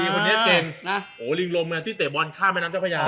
ป๋องพ่อป๋องโทรมาเช็คเข้า